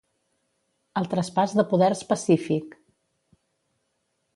El traspàs de poders pacífic.